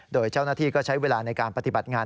โดยเจ้าหน้าที่ก็ใช้เวลาในการปฏิบัติงาน